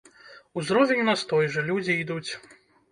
Узровень у нас той жа, людзі ідуць.